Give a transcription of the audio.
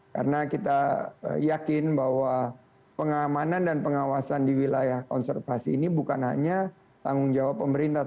karena kita yakin bahwa pengamanan dan pengawasan di wilayah konservasi ini bukan hanya tanggung jawab pemerintah